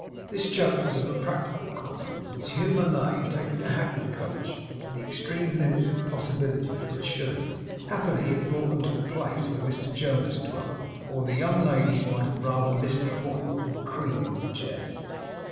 This joke was of a practical kind, and its humour lay in taking a hackney coach to the extreme limits of possibility for a shilling. Happily it brought them to the place where Mr Jonas dwelt, or the young ladies might have rather missed the point and cream of the jest.